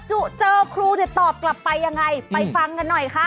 เจอครูเนี่ยตอบกลับไปยังไงไปฟังกันหน่อยค่ะ